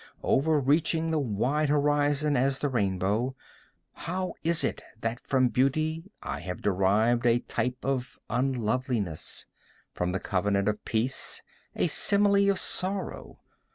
Overreaching the wide horizon as the rainbow! How is it that from beauty I have derived a type of unloveliness?—from the covenant of peace, a simile of sorrow?